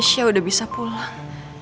keisha sudah bisa pulang